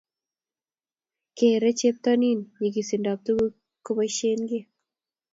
kereei cheptonin nyikisindokab tuguuk kobaishen kii